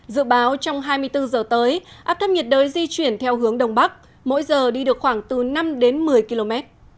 dự báo trong hai mươi bốn giờ tới áp thấp nhiệt đới di chuyển theo hướng đông bắc mỗi giờ đi được khoảng từ năm đến một mươi km